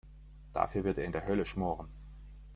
Dafür wird er in der Hölle schmoren.